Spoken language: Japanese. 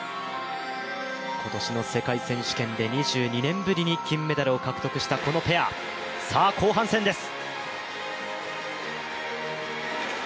今年の世界選手権で２２年ぶりに金メダルを獲得した、このペアさあ、後半戦です！